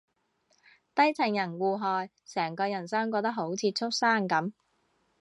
底層人互害，成個人生過得好似畜生噉